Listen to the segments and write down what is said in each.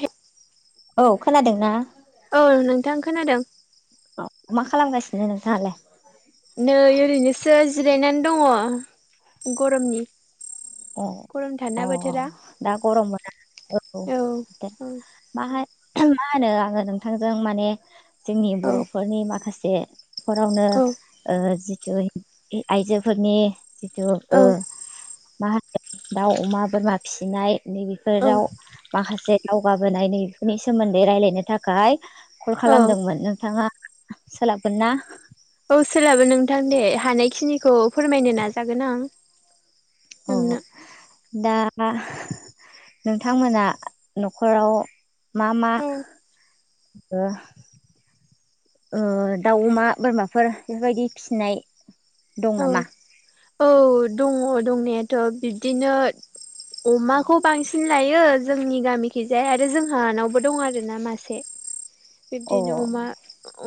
हे औ खोनादोंना औ नोंथां खोनादों औ मा खालामगासिनो नोंथांआलाय नै ओरैनोसो जिरायनानै दङ गरमनि अ गरम थारना अ बोथोरा दा गरमबोना औ औ मा मा होनो आङो नोंथांजों माने जोंनि औ बर'फोरनि माखासे नखरावनो औ ओ जिथु आइजोफोरनि जिथु औ ओ मा होनो दाउ अमा बोरमा फिसिनाय औ नैबेफोराव माखासे दावगाबोनाय नैबेफोरनि सोमोन्दै रायलायनो थाखाय कल औ खालामदोंमोन नोंथांआ सोलाबगोन ना? औ सोलाबो नोंथां दे हानायखिनिखौ फोरमायनो नाजागोन आं औ नोंनो दा नोंथांमोना न'खराव मा मा औ ओ ओ दाउ अमा बोरमाफोर बेफोरबादि फिसिनाय दं औ नामा? औ दङ दंनाआथ' बिदिनो अमाखौ बांसिन लायो यो जोंनि गामिथिजाय आरो जोंहानावबो दं आरोना मासे अ बिब्दिनो अमा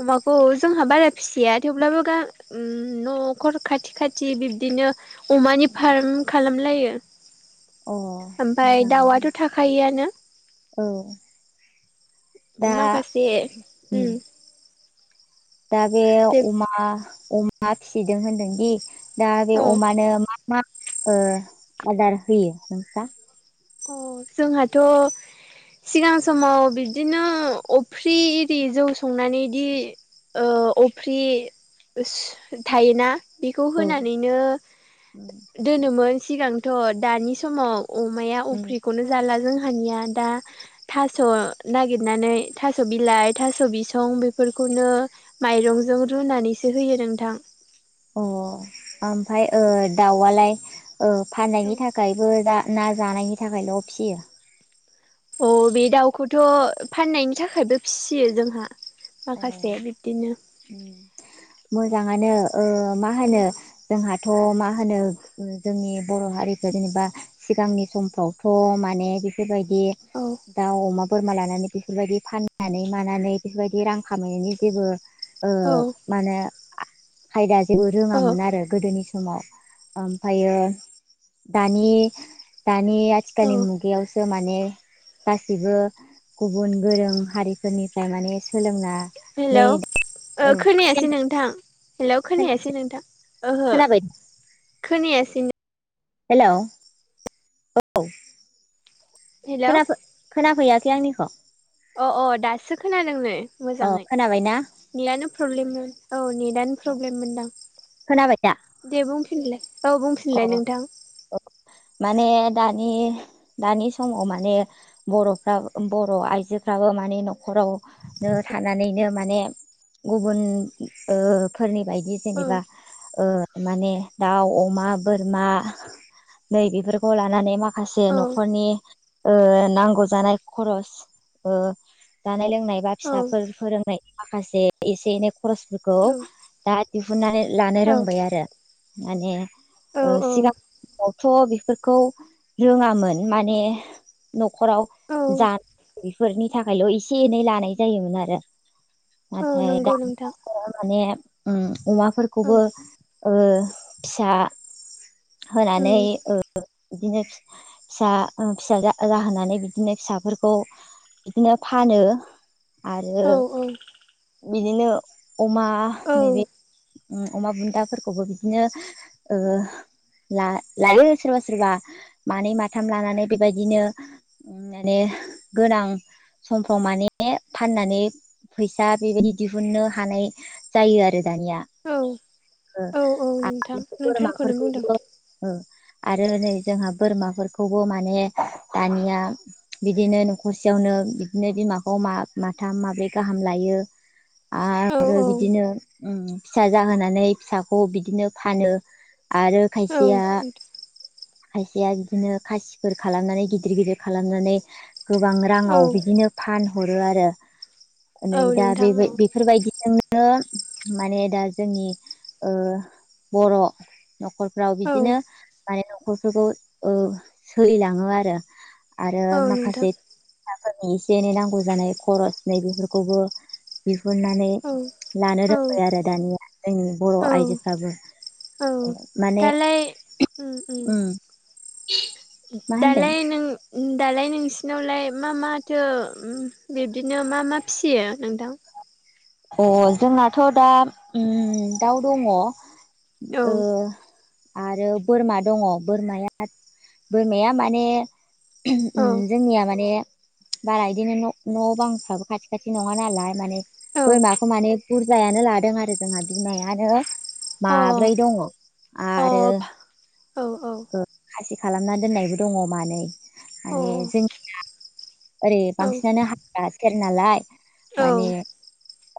अमाखौ जोंहा बारा फिसिआ थेवब्लाबो गा न' नखर खाथि खाथि बिब्दिनो अमानि फार्म खालामलायो अ आफाय मोजाङानो दाउआथ' थाखायोआनो औ दा माखासे उम दा बे दे अमा अमा फिसिदों होनदों दि दा बे औ अमानो मा मा ओ आदार होयो नोंसोरा अ जोंहाथ' सिगां समाव बिदिनो अफ्रि इरि जौ संनानैदि अफ्रि सो थायोना बेखौ औ होनानैनो दोनोमोन सिगांथ' दानि समाव अमाया अ उफ्रिखौनो जाला जोंहा निया दा थास' नागिरनानै थास' बिलाइ थास' बिसं बेफोरखौ खौनो माइरंजों रुनानैसो होयो नोंथां अ आमफाय ओ‌ दाउआलाय फाननायनि थाखायबो दा ना जानायनि थाखायल' फियो औ बे दाउखौथ' फाननायनि थाखायबो फिसियो जोंहा माखासे बिबदिनो मोजांआनो ओ मा होनो जोंहा थ' मा होनो उम जोंनि बर' हारिखौ जेनोबा सिगांनि समफ्रावथ' माने बेफोरबादि औ दाउ अमा बोरमा लानानै बेफोरबादि फाननानै मानानै बेफोरबादि रां खामायनायनि जेबो ओ औ माने खायदा जेबो औ रोङामोन आरो गोदोनि समाव आमफायो दानि दानि दानि आथिखालनि औ मुगाआवसो माने गासिबो गुबुन गोरों हारिफोरनिफ्राय माने सोलोंना हेलौ खोनायासै नोंथां हेल' खोनायासै नोंथां ओहो खोनाबाय खोनायासैनो हेल' औ हेलौ खोना खोनाफैयाखै आंनिखौ अ अ दासो खोनादोंनै अ मोजाङै खोनाबायना नेटयानो प्रब्लेममोन औ नेटानो प्रब्लेममोनदां खोनाबायदा? लास्ताव बुंफिनलाय नोंथां माने दानि दानि समाव माने बर'फोरा बर' आइजोफ्राबो मा माने न'खरावनो थानानैनो माने गुबुन ओ फोरनि बायदि बि औ जेनेबा ओ माने दाउ अमा बोरमा नै बेफोरखौ लानानै माखासे औ न'खरनि ओ नांगौ जानाय खरस जानाय लोंनाय बा औ फिसाफोर फोरोंनाय माखासे एसे एनै खरसफोरखौ औ दा दिहुननानै लानो रोंबाय आरो माने औ ओ औ सिगां थ' बेफोरखौ रोङामोन माने न'खराव औ जानाय बेफोरनि थाखायल' एसे एनै लानाय जायोमोन आरो औ नाथाय नंगौ दानि नोंथां माने ओम औ अमाफोरखौबो ओ फिसा होनानै उम ओ बिदिनो फिसा फिसा जाहोनानै बिदिनो फिसा फोरखौ बिदिनो फानो आरो औ बिदिनो अमा औ नैबे अमा बुन्दाफोरखौबो बिदिनो ओ लायो सोरबा सोरबा मानै माथाम लानानै बेबायदिनो माने गोनां समफ्राव माने फाननानै फैसा बेबायदि दिहुननो हानाय जायो आरो दानिया औ औ औ नोंथां आरो नों थारखौनो बुंदों बोरमाफोरखौबो आरो नै जोंहा बोरमाफोरखौबो माने दानिया बिदिनो न'खरसे यावनो बिदिनो बिमाखौ माथाम माब्रै गाहाम लायो आरो औ आरो औ बिदिनो फिसा जाहोनानै फिसाखौ बिदिनो फानो आरो खायसेया औ खायसेया बिदिनो खासिफोर खालामनानै गिदिर गिदिर खालामनानै गोबां औ राङाव बिदिनो फानहरो आरो नै औ दा नोंथां बे औ बेफोरबायदिजोंनो नो माने दा जोंनि बर' न'खरफ्राव औ बिदिनो माने न'खरफोरखौ ओ सोलिलाङो आरो आरो औ नोंथां माखासे एसे एनै नांगौ जानाय खरस नै बेफोरखौबो दिहुननानै औ लानो रोंबाय औ आरो दानिया जोंनि बर' औ आइजोफ्राबो औ माने दालाय ओम ओम उम मा होनदों दालाय नों दालाय नोंसिनावलाय मा माथो बिब्दिनो मा मा फिसियो नोंथां? अह जोंनाथ' दा दाउ दङ ओ औ आरो बोरमा दङ बोरमाया बोरमाया माने औ जोंनिया माने बारा बिदिनो न' बांफ्राबो खाथि खाथि नङा नालाय माने औ बोरमाखौ माने बुरजायानो लादों आरो जोंहा बिमायानो माब्रै दङ अ आरो औ खासि खालामना दोननायबो दङ मानै माने अ जोंनिया ओरै औ बांसिनानो हाग्रा सेर नालाय माने औ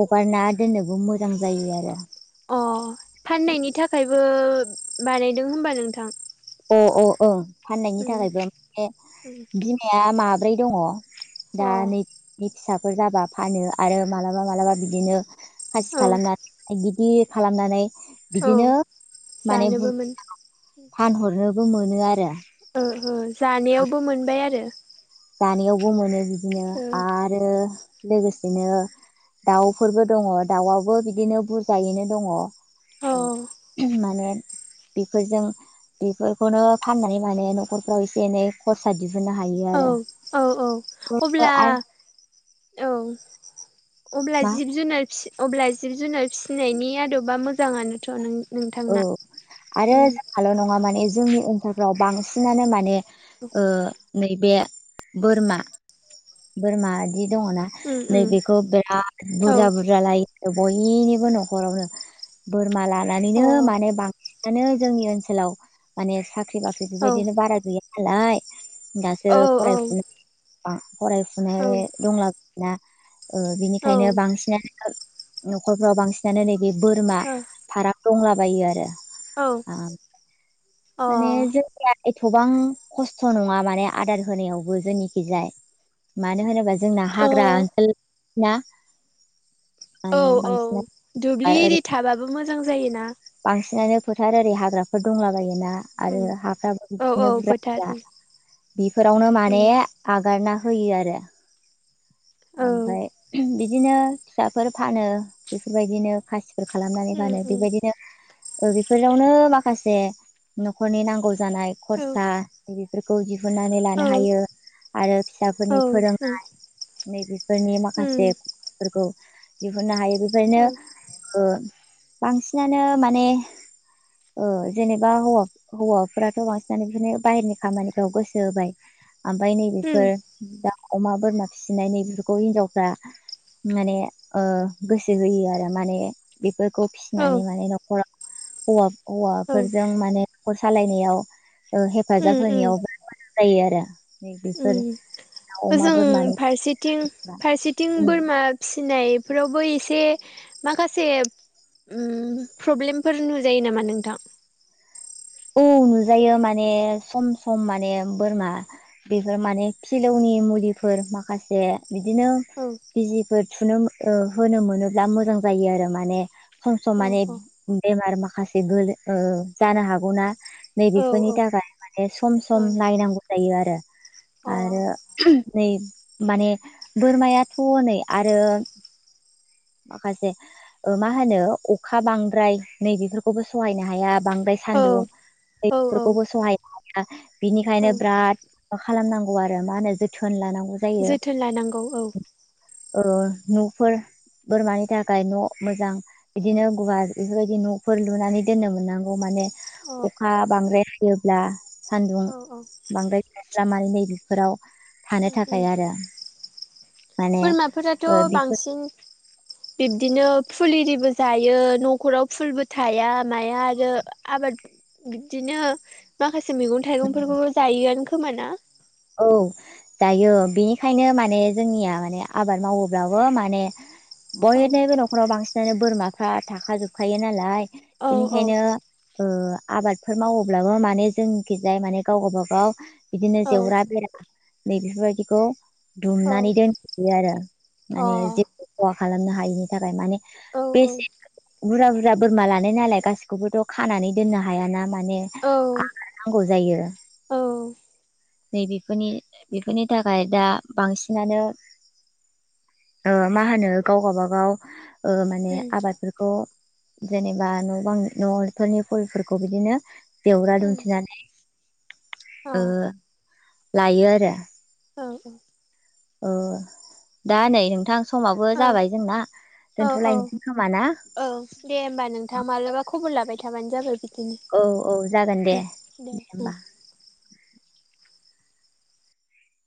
हगार ना दोननोबो मोजां जायो आरो। अ फाननायनि थाखायबो बानायदों होनबा नोंथां। अ अ औ फाननायनि उम थाखायबो माने उम बिमाया माब्रै दङ? दा अ नै नि फिसाफोर जाबा फानो आरो मालाबा मालाबा बिदिनो खासि औ खालामनानै गिदिर खालामनानै औ बिदिनो माने जानोबो बु मोन [inaudible] फानहरनोबो मोनो आरो। ओ ओ जानायावबो मोनबाय आरो। जानायावबो मोनो। बिदिनो आरो लोगोसेनो दाउफोरबो दङ दाउवाबो बिदिनो बुरजायैनो दङ'। औ ओ [inaudible] माने बेफोरजों बेफोरखौनो फाननानै माने न'खरफ्राव एसे एनै खरसा दि हुननो हायो अ औ आरो। औ औ अब्ला औ अब्ला मा जिब जुनार अब्ला जिब जुनार फिसिनायनि आदबा मोजाङानोथ' नों औ नोंथांना आरो उम जोंहाल' नङा माने जोंनि ओनसोलफ्राव बांसिनानो माने ओ नैबे बोरमा बोरमा बिदि दङना उम उम नैबेखौ बिराद औ बुरजा बुरजा लायो। बयनिबो न'खरावनो बोरमा अ लानानैनो माने बांसिन नानो जोंनि ओनसोलाव माने साख्रि बाख्रि औ बेबायदिनो बारा गैया नालाय। दासो औ फरायफुनाय [inaudible] औ फरायफुनाय ओ दंला [inaudible] ना ओ बिनिखायनो औ बांसिनानो न'खरफ्राव बांसिनानो नैबे बोरमा फाराम दंलाबायो आरो। औ ओ माने जोंनिया एथ'बां खस्थ' नङा माने आदार होनायावबो जोंनिखिजाय। मानो होनोबा जो जोंना अ हाग्रा ओनसोल ना औ औ दुब्लि इरि थाबाबो मोजां जायोना। बांसिनानो फोथार ओरै हाग्राफोर दंलाबायोना। उम आरो हाफ्राबो औ औ बिदिनो फोथार बुरजा उम बेफोरावनो माने आगारना होयो आरो। औ ओमफ्राय [inaudible] बिदिनो फिसाफोर फानो बेफोर बायदिनो खासि दिर खालामनानै उम फानो उम बेबायदिनो ओ बेफोरावनो माखासे नख'रनि नांगौ जानाय। जानाय औ खरसा बेफोरखौ दिहुननानै औ लानो हायो। आरो औ फिसाफोरनि उम फोरोंनाय नै बेफोरनि उम माखासेफोरखौ दिहुननो हायो। बेबायदनो औ ओ बांसिनानो माने ओ जेनेबा हौवाफोराथ' बांसिनानो बिदिनो बाहेरनि खामानिखौ गोसो होबाय ओमफाय उम नैबेफोर दाउ अमा बोरमा फिसिनाय नैबेफोरखौ हिनजावफ्रा माने ओ गोसो होयो आरो माने बेफोर खौ औ फिसिनानै माने न'खराव होवा- औ हौवाफोरजों माने न'खर सालायनायाव ओ उम हेफाजाब होनायावबो [inaudible] जायो आरो। नै उ बेफोर अमा ओजों बोरमानि फारसेथिं फारसेथिं बोरमा फिसिनाय फोरावबो एसे माखासे उ प्रब्लेमफोर नुजायो नामा नोंथां? औ नुजायो माने सम सम माने बोरमा बेफोर माने फिलौनि नि मुलिफोर माखासे बिदिनो औ बिजिफोर थुनो होनो मोनोब्ला मोजां जायो आरो माने। सम सम औ माने बेमार माखासे गोलो ओ जानो हागौना। नै औ बेफोरनि थाखाय माने सम सम नायनांगौ जायो आरो आरो औ नै माने बोरमायाथ' नै आरो माखासे ओ मा होनो अखा बांद्राय नै बेेफोरखौबो सहायनो हाया बांद्राय सान्दुं नै औ फोरखौबो सहाय हाया बिनिखायनो औ बिराद बा खालामनांगौ आरो मा होनो जोथोन लानांगौ जोथोन लानांगौ औ औ न'फोर बोरमानि थाखाय न' मोजां बिदिनो गुवार बेफोरबायदि न'फोर लुनानै दोननो मोननांगौ माने अखा बांद्राय हायोब्ला सान्दुं उम बांद्राय खालामनानै नै बेफोराव थानो उम थाखाय आरो माने बोरमाफोराथ' ओ बेफोर बांसिन बिब्दिनो फुलि आरिबो जायो न'खराव फुलबो थाया माया आरो आबाद बिदिनो माखासे मैगं थाइगंफोरखौबो जायोआनो खोमाना औ जायो बेनिखायनो माने जोंनिया माने आबाद मावोबाबो माने औ बयनिबो न'खराव बांसिनानो बोरमाफ्रा थाखाजोबखायो नालाय औ औ बेनिखायनो ओ आबादफोर मावोब्लाबो माने जोंखिजाय माने गाव गबागाव बिदि जेवरा औ बेरा नै बेफोरबायदिखौ औ दुमनानै दोनफैयो आरो अ औ माने जेबो खहा खालामनो हायिनि थाखाय माने औ बेसे बुरजा बुरजा बोरमा लानाय नालाय गासिखौबोथ' खानानै दोननो हाया नामा नै औ आगार नांगौ जायो औ नैबेफोरनि बेफोरनि थाखाय दा बांसिनानो ओ मा होनो गाव गाबागाव ओ औ माने आबादफोरखौ जेनेबा न' बां न'आवफोरनि फुलफोरखौ बिदिनो जेवरा दुमथिनानै लायो आरो औ औ अ दा नै नोंथां समावबो जाबाय जोंना औ औ दोनथ'लायनोसै खोमा ना औ दे होमबा नोंथां मालाबा खबर लाबाय थाबानो जाबाय बिदि औ औ जागोन दे दे होमबा